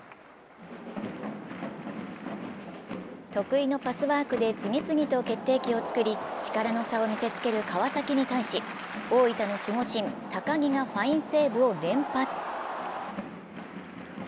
得意のパスワークで次々と決定機を作り力の差を見せつける川崎に対し大分の守護神・高木がファインセーブを連発。